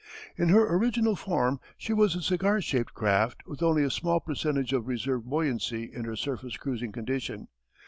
In her original form she was a cigar shaped craft with only a small percentage of reserve buoyancy in her surface cruising condition.